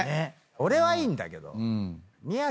俺はいいんだけど。